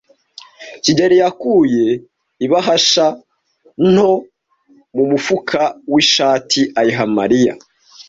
kigeli yakuye ibahasha nto mu mufuka w'ishati ayiha Mariya.